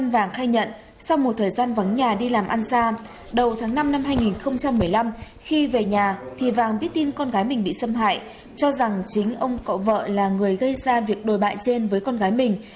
vào tháng năm năm hai nghìn một mươi năm khi về nhà thì vàng biết tin con gái mình bị xâm hại cho rằng chính ông cậu vợ là người gây ra việc đổi bại trên với con gái mình